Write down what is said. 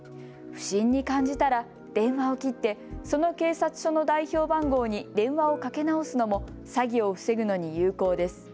不審に感じたら電話を切ってその警察署の代表番号に電話をかけ直すのも詐欺を防ぐのに有効です。